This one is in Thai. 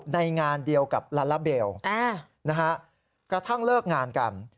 ในงานเดียวกับลาลาเบลกระทั่งเลิกงานกัน